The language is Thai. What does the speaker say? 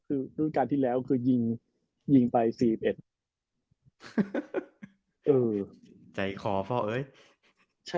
คือการที่แล้วคือยิงไปซีเอฟเอส